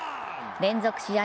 連続試合